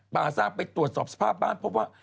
บาฮัศจากไปตรวจสอบสภาพบ้านเพราะว่า